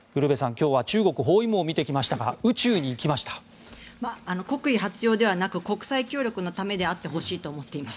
今日は中国包囲網を見てきましたが国威発揚ではなく国際協力のためであってほしいと思っています。